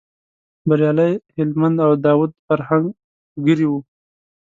بریالی هلمند او داود فرهنګ ملګري و.